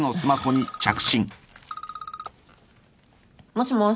もしもし。